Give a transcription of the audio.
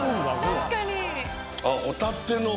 確かに。